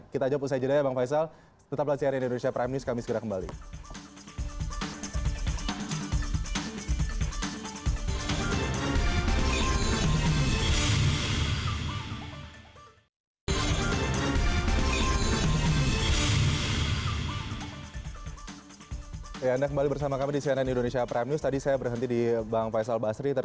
kita jawab usai jeda ya bang faisal